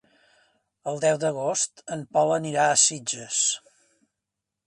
El deu d'agost en Pol anirà a Sitges.